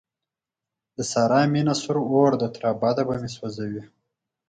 د سارې مینه د سرې اورده، تر ابده به مې سو ځوي.